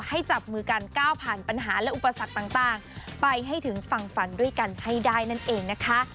จับมือกันก้าวผ่านปัญหาและอุปสรรคต่างไปให้ถึงฝั่งฝันด้วยกันให้ได้นั่นเองนะคะ